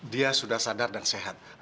dia sudah sadar dan sehat